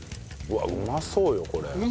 うわっうまそうよこれ。